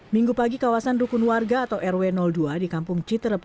minggu pagi kawasan rukun warga atau rw dua di kampung citerebek